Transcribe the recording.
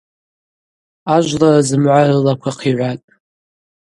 Ажвлара зымгӏва рылаква хъигӏватӏ.